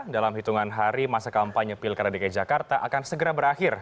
dalam hitungan hari masa kampanye pilkada dki jakarta akan segera berakhir